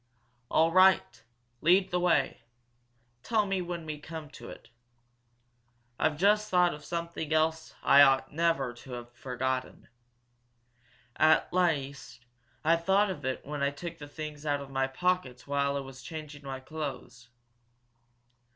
"All right. Lead the way! Tell me when we come to it. I've just thought of something else I ought to never have forgotten. At least, I thought of it when I took the things out of my pockets while I was changing my clothes."